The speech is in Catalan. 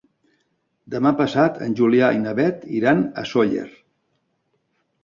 Demà passat en Julià i na Beth iran a Sóller.